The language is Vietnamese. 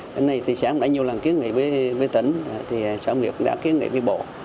cái này thì thị xã cũng đã nhiều lần kiến nghị với tỉnh thì sở công nghiệp đã kiến nghị với bộ